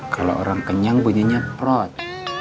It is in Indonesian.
kalau orang kenyang bunyinya prot